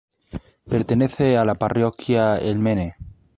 Pertenece a la Parroquia El Mene.